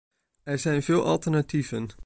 Er zijn veel alternatieven.